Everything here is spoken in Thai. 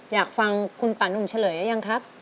อยากฟังคุณป่านุ่มเฉลยหรือยังครับ